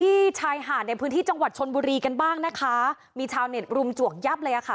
ชายหาดในพื้นที่จังหวัดชนบุรีกันบ้างนะคะมีชาวเน็ตรุมจวกยับเลยอ่ะค่ะ